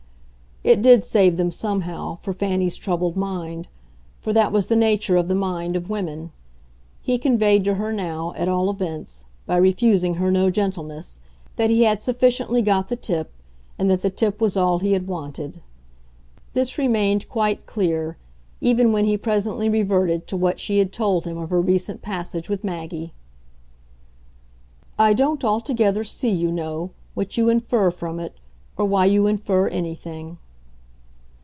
It did save them, somehow, for Fanny's troubled mind for that was the nature of the mind of women. He conveyed to her now, at all events, by refusing her no gentleness, that he had sufficiently got the tip, and that the tip was all he had wanted. This remained quite clear even when he presently reverted to what she had told him of her recent passage with Maggie. "I don't altogether see, you know, what you infer from it, or why you infer anything."